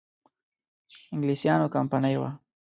انګلیسیانو کمپنی وه.